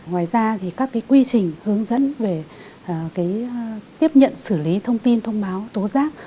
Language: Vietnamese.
ngoài ra thì các quy trình hướng dẫn về tiếp nhận xử lý thông tin thông báo tố giác